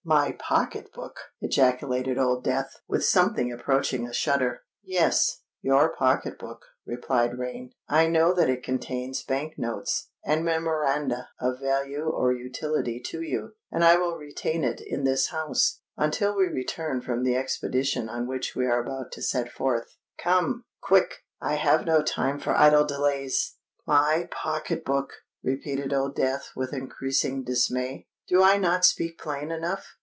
"My pocket book!" ejaculated Old Death, with something approaching a shudder. "Yes—your pocket book," replied Rain. "I know that it contains Bank notes, and memoranda of value or utility to you; and I will retain it in this house, until we return from the expedition on which we are about to set forth. Come—quick! I have no time for idle delays!" "My pocket book!" repeated Old Death, with increasing dismay. "Do I not speak plain enough?"